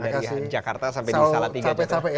dari jakarta sampai di salatiga jakarta